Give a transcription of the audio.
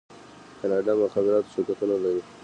کاناډا د مخابراتو شرکتونه لري.